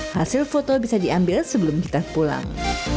hasil foto bisa diambil sebelum kita pulang